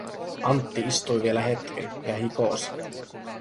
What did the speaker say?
Antti istui vielä hetken ja hikosi.